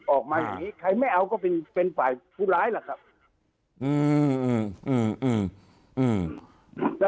ออกมาอย่างนี้ใครไม่เอาก็เป็นเป็นฝ่ายผู้ร้ายล่ะครับอืม